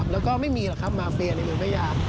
แล้วก็ไม่มีมาเฟลในเมืองมะยา